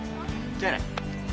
じゃあね。